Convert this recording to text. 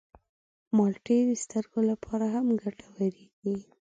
مالټې د سترګو لپاره هم ګټورې دي.